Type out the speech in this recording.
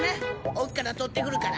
奥から取ってくるから。